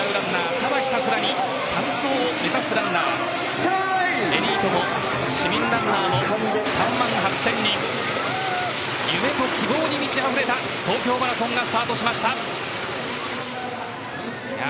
ただひたすらに完走を目指すランナーエリートも市民ランナーも３万８０００人夢と希望に満ちあふれた東京マラソンがスタートしました。